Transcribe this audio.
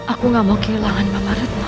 aku gak mau kehilangan mama retno